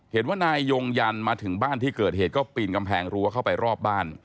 เห็นว่านายยงยันมาถึงบ้านที่เกิดเหตุก็ปีนกำแพงรั้วเข้าไปรอบบ้าน